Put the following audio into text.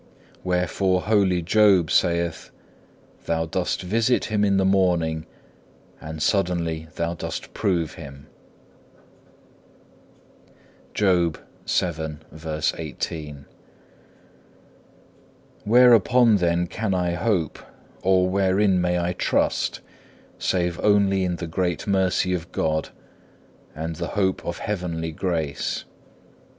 Wherefore holy Job saith, Thou dost visit him in the morning, and suddenly Thou dost prove him.(2) 6. Whereupon then can I hope, or wherein may I trust, save only in the great mercy of God, and the hope of heavenly grace?